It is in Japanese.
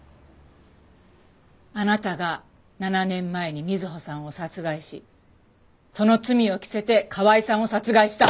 あなたが７年前に瑞穂さんを殺害しその罪を着せて川井さんを殺害した。